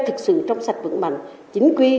thực sự trong sạch vững mạnh chính quy